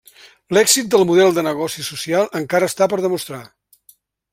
L'èxit del model de negoci social encara està per demostrar.